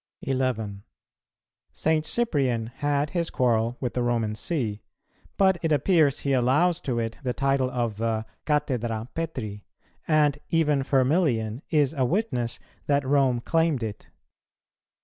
11. St. Cyprian had his quarrel with the Roman See, but it appears he allows to it the title of the "Cathedra Petri," and even Firmilian is a witness that Rome claimed it.